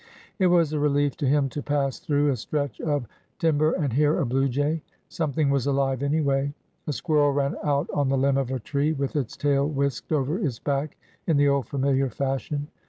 It was a relief to him to pass through a stretch of tim ber and hear a blue jay. Something was alive, anyway. A squirrel ran out on the limb of a tree, with its tail whisked over its back in the old familiar fashion.